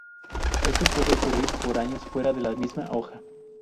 Esto puede ocurrir por años fuera de la misma hoja.